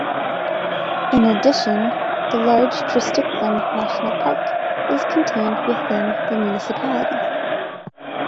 In addition, the large Tresticklan National Park is contained within the municipality.